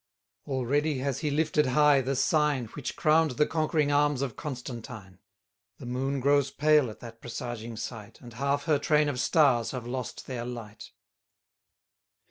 80 Already has he lifted high the Sign, Which crown'd the conquering arms of Constantine; The Moon grows pale at that presaging sight, And half her train of stars have lost their light.